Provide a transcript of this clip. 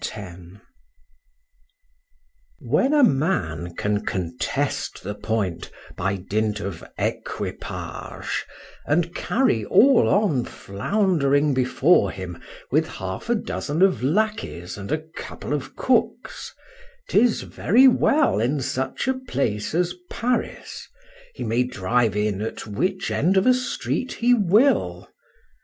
PARIS. WHEN a man can contest the point by dint of equipage, and carry all on floundering before him with half a dozen of lackies and a couple of cooks—'tis very well in such a place as Paris,—he may drive in at which end of a street he will.